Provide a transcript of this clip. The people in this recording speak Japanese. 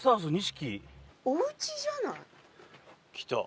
おうちじゃない？きた。